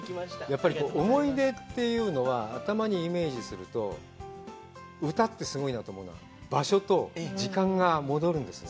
やっぱり思い出というのは、頭にイメージすると、歌ってすごいなと思うのは、場所と時間が戻るんですね。